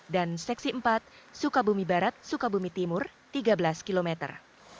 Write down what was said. dan seksi empat sukabumi barat sukabumi timur tiga belas kilometer